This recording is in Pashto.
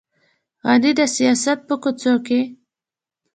غني د سیاست په کوڅو کې.